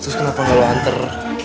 terus kenapa gak lo anter